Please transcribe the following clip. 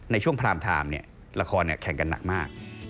ในช่วงพรามไทม์ละครแข่งกันหนักมาก